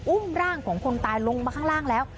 ร่างของคนตายลงมาข้างล่างแล้ว